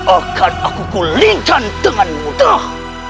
aku akan menggulingkan dengan mudah